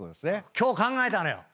今日考えたのよ。